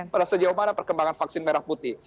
pada sejauh mana perkembangan vaksin merah putih